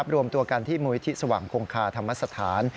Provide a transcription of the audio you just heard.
รวมตัวกันที่มูลิธิสว่างคงคาธรรมสถาน